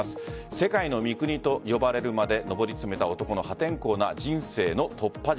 世界の三國と呼ばれるまで上り詰めた男の破天荒な人生の突破術。